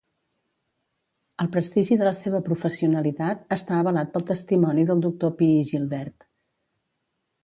El prestigi de la seva professionalitat està avalat pel testimoni del doctor Pi i Gilbert.